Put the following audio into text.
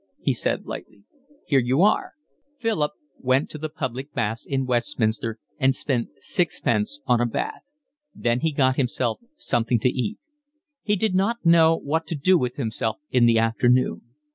he said lightly. "Here you are." Philip went to the public baths in Westminster and spent sixpence on a bath. Then he got himself something to eat. He did not know what to do with himself in the afternoon.